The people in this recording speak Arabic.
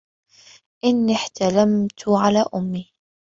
إنِّي احْتَلَمْتُ عَلَى أُمِّي